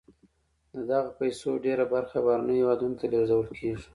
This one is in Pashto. د دغه پیسو ډیره برخه بهرنیو هېوادونو ته لیږدول کیږي.